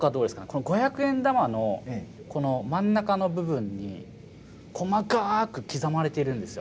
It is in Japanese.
この五百円玉のこの真ん中の部分に細かく刻まれているんですよね。